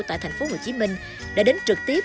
tại tp hcm đã đến trực tiếp